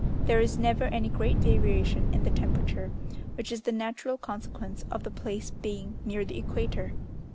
There is never any great variation in the temperature, which is the natural consequence of the place being near the equator.